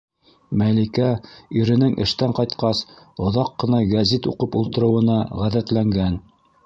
Мәликә иренең эштән ҡайтҡас оҙаҡ ҡына гәзит уҡып ултырыу ына ғәҙәтләнгән.